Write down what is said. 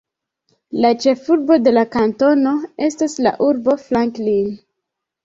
La ĉefurbo de la kantono estas la urbo Franklin.